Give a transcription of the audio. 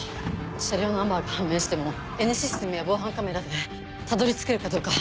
車両ナンバーが判明してもＮシステムや防犯カメラでたどり着けるかどうか。